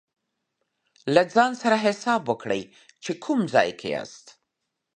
له ځان سره حساب وکړئ چې کوم ځای کې یاست.